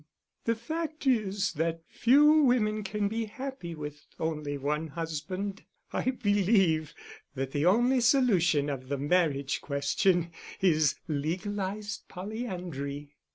"The fact is that few women can be happy with only one husband. I believe that the only solution of the marriage question is legalised polyandry."